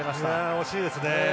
惜しいですね。